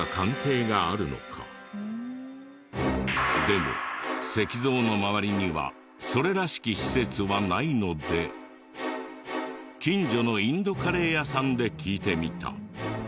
でも石像の周りにはそれらしき施設はないので近所のインドカレー屋さんで聞いてみた。